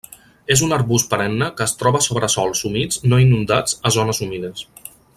És un arbust perenne que es troba sobre sòls humits no inundats a zones humides.